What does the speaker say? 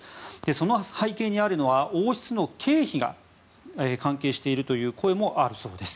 その背景にあるのは王室の経費が関係しているという声もあるそうです。